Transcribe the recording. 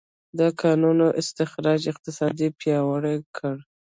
د کانونو استخراج اقتصاد پیاوړی کړ.